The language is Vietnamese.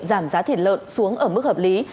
giảm giá thịt lợn xuống ở mức hợp lý